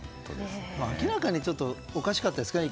明らかにおかしかったですからね。